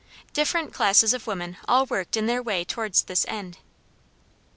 Different classes of women all worked in their way towards this end.